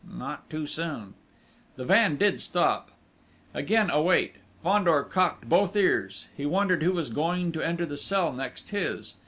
Not too soon!" The van did stop. Again a wait. Fandor cocked both ears; he wondered who was going to enter the cell next his.